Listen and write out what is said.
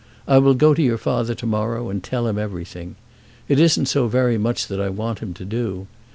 I will go to your father to morrow, and tell him everything. It isn't so very much that I want him to do.